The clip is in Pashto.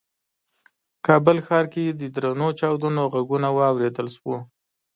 کابل ښار کې د درنو چاودنو غږونه واورېدل شول.